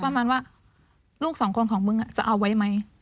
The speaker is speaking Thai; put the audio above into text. ประมาณว่าลูกสองคนของมึงจะเอาไว้ไหม